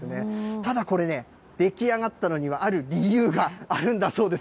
ただこれね、出来上がったのにはある理由があるんだそうです。